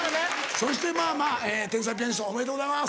そしてまぁまぁ天才ピアニストおめでとうございます。